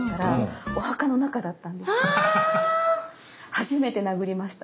初めて殴りました。